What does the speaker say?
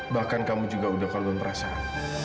bahkan kamu juga udah kalung perasaan